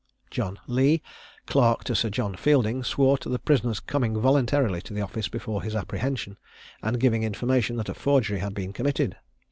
John Leigh, clerk to Sir John Fielding, swore to the prisoner's coming voluntarily to the office before his apprehension, and giving information that a forgery had been committed.